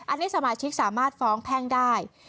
อันนี้สมาชิกสามารถฟ้องแพ่งได้